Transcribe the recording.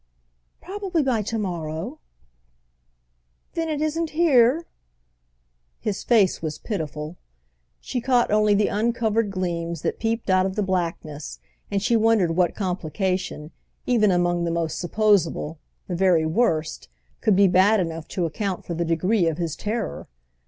"Probably by to morrow." "Then it isn't here?"—his face was pitiful. She caught only the uncovered gleams that peeped out of the blackness, and she wondered what complication, even among the most supposable, the very worst, could be bad enough to account for the degree of his terror.